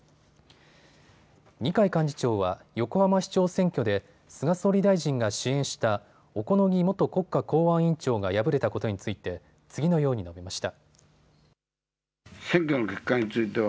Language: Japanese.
二階幹事長は横浜市長選挙で菅総理大臣が支援した小此木元国家公安委員長が敗れたことについて次のように述べました。